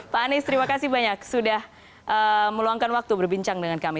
pak anies terima kasih banyak sudah meluangkan waktu berbincang dengan kami